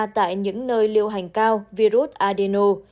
tại những nơi liệu hành cao virus adeno